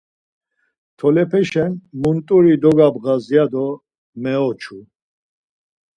Tolepeşen munt̆uri dogabğas, ya do meoçu.